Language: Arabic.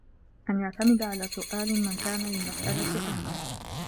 أَنْ يَعْتَمِدَ عَلَى سُؤَالِ مَنْ كَانَ لِلْمَسْأَلَةِ أَهْلًا